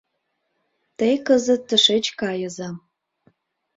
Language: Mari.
Те кызыт тышеч кайыза.